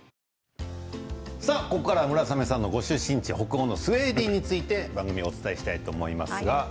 ここからは村雨さんのご出身地、北欧のスウェーデンについてお伝えします。